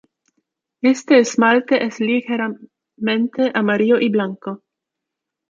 Este esmalte es ligeramente amarillo y blanco.